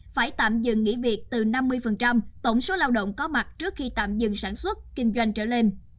phải tạm dừng nghỉ việc từ năm mươi tổng số lao động có mặt trước khi tạm dừng sản xuất kinh doanh trở lên